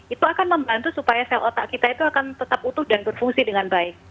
itu akan membantu supaya sel otak kita itu akan tetap utuh dan berfungsi dengan baik